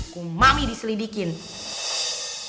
mami bawa badan sendiri aja berat